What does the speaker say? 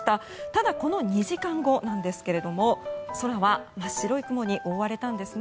ただこの２時間後なんですが空は真っ白い雲に覆われたんです。